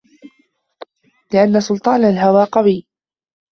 لِأَنَّ سُلْطَانَ الْهَوَى قَوِيٌّ